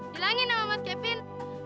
bilangin sama mas kevin